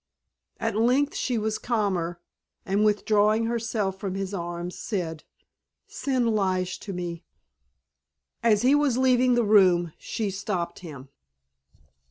At length she was calmer, and withdrawing herself from his arms, said, "Send Lige to me." As he was leaving the room she stopped him.